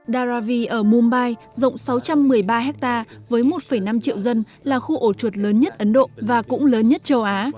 daravi ở mumbai rộng sáu trăm một mươi ba hectare với một năm triệu dân là khu ổ chuột lớn nhất ấn độ và cũng lớn nhất châu á